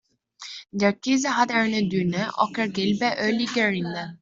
Der Käse hat eine dünne, ockergelbe, ölige Rinde.